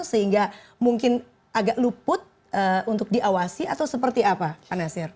sehingga mungkin agak luput untuk diawasi atau seperti apa pak nasir